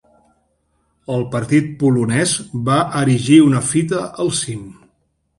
El partit polonès va erigir una fita al cim.